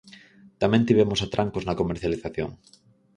Tamén tivemos atrancos na comercialización.